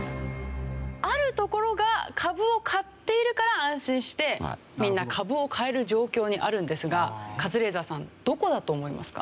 あるところが株を買っているから安心してみんな株を買える状況にあるんですがカズレーザーさんどこだと思いますか？